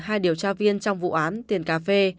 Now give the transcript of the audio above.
hai điều tra viên trong vụ án tiền cà phê